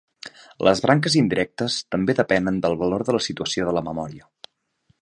Les branques indirectes també depenen del valor de la situació de la memòria.